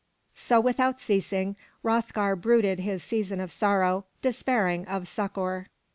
So without ceasing, Hroth'gar brooded his season of sorrow, despairing of succor.